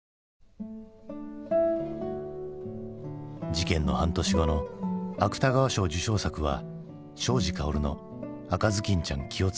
事件の半年後の芥川賞受賞作は庄司薫の「赤頭巾ちゃん気をつけて」。